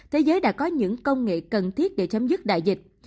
thế giới đã có những công nghệ cần thiết để chấm dứt đại dịch